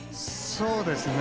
そうですね。